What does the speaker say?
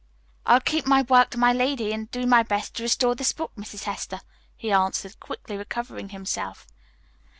"I'll keep my word to my lady, and do my best to restore this book, Mrs. Hester," he answered, quickly recovering himself.